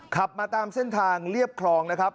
ขับมาตามเส้นทางเรียบคลองนะครับ